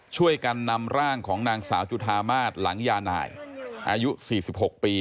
ช่วยกันนำร่างของนางสาวจุธามาศหลังยานายอายุ๔๖ปี